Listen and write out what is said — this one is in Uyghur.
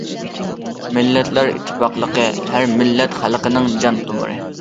مىللەتلەر ئىتتىپاقلىقى- ھەر مىللەت خەلقنىڭ جان تومۇرى.